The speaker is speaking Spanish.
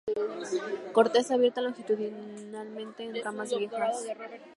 Corteza abierta longitudinalmente en ramas viejas.